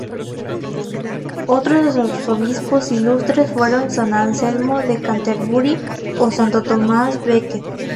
Otros arzobispos ilustres fueron san Anselmo de Canterbury o santo Tomás Becket.